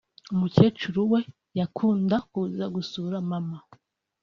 umukecuru we yakunda kuza gusura Maman